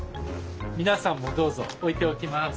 皆さんもどうぞ置いておきます。